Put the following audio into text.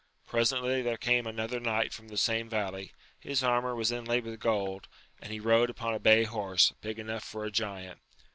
Presently there came another knight from the same valley; his armour was inlaid with gold, and he rode upon a bay horse, big enough for a giant.